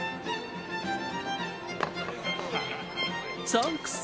サンクス。